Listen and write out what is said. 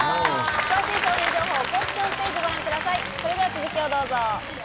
詳しい商品情報は公式ホームページをご覧ください。